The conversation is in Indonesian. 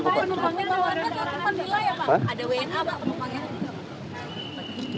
ada wna pak pembangunan